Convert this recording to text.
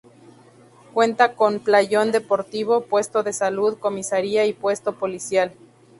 Cuenta con playón deportivo, puesto de salud, comisaría y puesto policial.